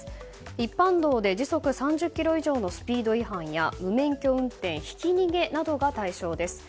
一般道で時速３０キロ以上のスピード違反や無免許運転ひき逃げなどが対象です。